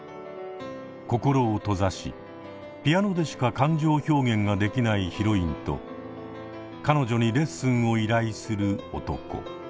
心を閉ざしピアノでしか感情表現ができないヒロインと彼女にレッスンを依頼する男。